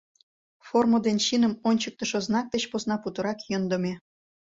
Формо ден чиным ончыктышо знак деч посна путырак йӧндымӧ.